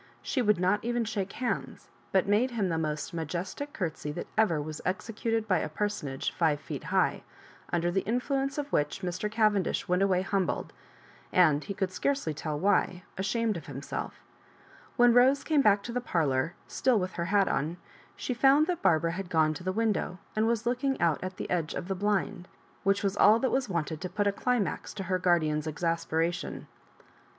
She would not even shake hands, but made him the Digitized by VjOOQIC MISS MABJOBIBAIilKa •ri most majestic curtsy that was ever execated by a persoaage five feet high, under the influence of which Mr. Cavendish went away humbled, and, he could scarcely tell why, ashamed of him self. When Bose came back to the parlour, still with her hat on, she found that Barbara had gone to the window, and was looking out at the edge of the blind— which was all that was wanted to put a climax to her guardian's exasperation.